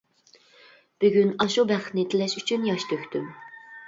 بۈگۈن ئاشۇ بەختىنى تىلەش ئۈچۈن ياش تۆكتۈم.